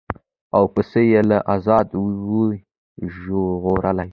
او پسه یې له آزاره وي ژغورلی